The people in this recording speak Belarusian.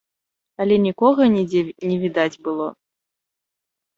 Але нікога нідзе не відаць было.